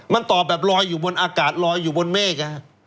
มันตอบแบบลอยอยู่บนอากาศลอยอยู่บนเมฆ